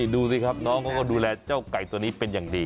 ดูสิครับน้องเขาก็ดูแลเจ้าไก่ตัวนี้เป็นอย่างดี